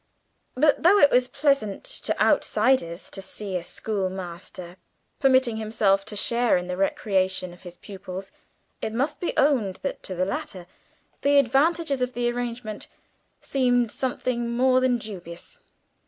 But though it was pleasant to outsiders to see a schoolmaster permitting himself to share in the recreation of his pupils, it must be owned that to the latter the advantages of the arrangement seemed something more than dubious.